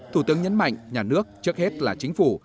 thủ tướng nhấn mạnh nhà nước trước hết là chính phủ